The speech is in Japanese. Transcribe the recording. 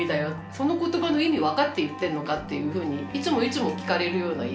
その言葉の意味分かって言ってんのか？」っていうふうにいつもいつも聞かれるような家だったので。